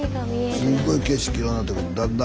すごい景色ようなってくるのだんだん。